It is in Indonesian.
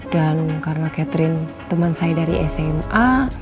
dan karena catherine temen saya dari sma